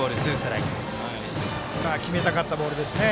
今は決めたかったボールですね。